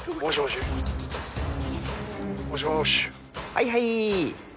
はいはい。